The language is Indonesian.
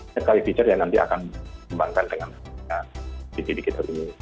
sekali fitur ya nanti akan dikembangkan dengan tv tv kita ini